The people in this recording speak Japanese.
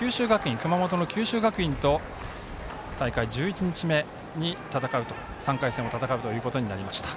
熊本の九州学院と大会１１日目に３回戦を戦うということになりました。